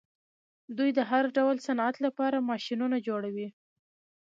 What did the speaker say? دوی د هر ډول صنعت لپاره ماشینونه جوړوي.